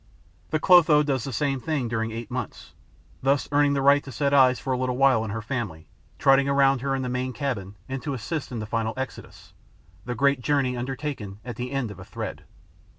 The Clotho does the same during eight months, thus earning the right to set eyes for a little while on her family trotting around her in the main cabin and to assist at the final exodus, the great journey undertaken at the end of a thread.